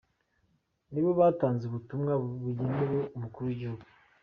Ni bo batanze ubutumwa bugenewe umukuru w’igihugu.